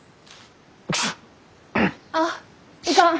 あっいかん！